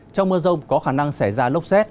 trong mưa rông có khả năng xảy ra lốc xét